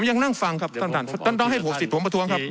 ผมยังนั่งฟังครับท่านท่านท่านต้องให้ผมสิทธิ์ผมประทวงครับ